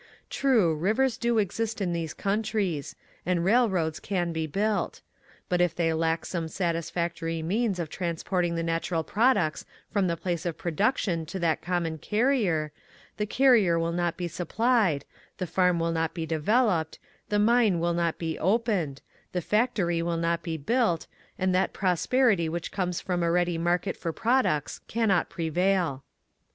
True, rivers do exist in those countries, and railroads can be built; but if they lack some satisfactory means of transporting the natural products from the place of production to that common carrier, the carrier will not be supplied, the farm will not be developed, the mine will not be opened, the factory will not be built, and that prosperity which comes from a ready market for products cannot prevail.